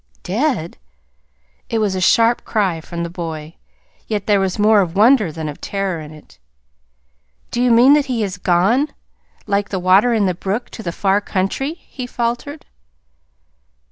"Dead?" It was a sharp cry from the boy, yet there was more of wonder than of terror in it. "Do you mean that he has gone like the water in the brook to the far country?" he faltered.